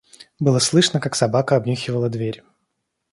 Было слышно, как собака обнюхивала дверь.